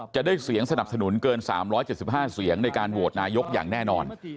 จะได้เสียงสนับสนุนเกิน๓๗๕เสียงในการโหวตนายกอย่างแน่นอน